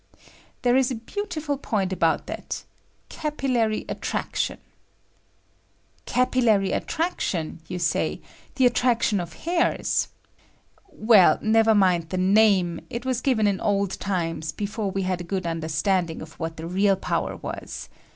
There is a beautiful point about that — capillary aitr action. i^) " Capillary attraction I" you say —" the attraction of hairs." Well, never mind the name ; it was given in old times, before we had a good understanding of what "the real power was.